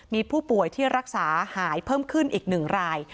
มีผู้ป่วยที่รักษาหายเพิ่มขึ้นอีก๑ราย